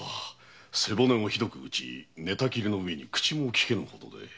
背骨をひどく打ち寝たきりのうえに口もきけぬほどで。